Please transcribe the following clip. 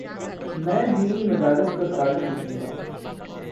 میں دینی مدارس پر کالم لکھوں گا۔